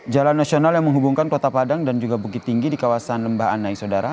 jalan nasional yang menghubungkan kota padang dan juga bukit tinggi di kawasan lembah annai saudara